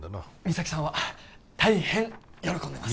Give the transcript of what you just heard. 三咲さんは大変喜んでます